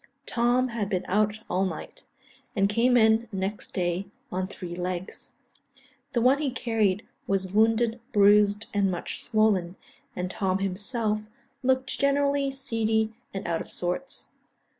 Tom had been out all night, and came in next day on three legs; the one he carried was wounded, bruised, and much swollen, and Tom himself looked generally seedy and out of sorts.